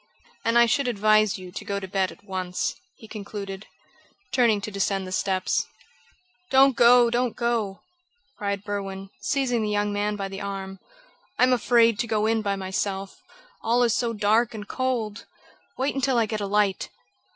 "And I should advise you to go to bed at once," he concluded, turning to descend the steps. "Don't go! Don't go!" cried Berwin, seizing the young man by the arm. "I am afraid to go in by myself all is so dark and cold! Wait until I get a light!"